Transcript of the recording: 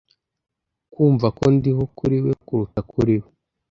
kumva ko ndiho kuri we kuruta kuri we